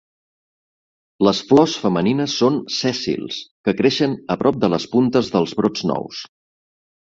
Les flors femenines són sèssils, que creixen a prop de les puntes dels brots nous.